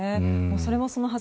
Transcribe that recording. それもそのはず